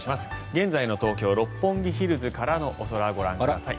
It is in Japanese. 現在の東京・六本木ヒルズからのお空ご覧ください。